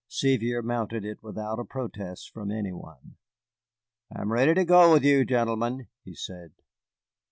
Sevier mounted it without a protest from any one. "I am ready to go with you, gentlemen," he said.